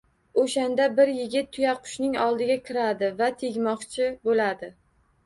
O‘shanda bir yigit tuyaqushning oldiga kiradi va tegmoqchi bo‘ladi.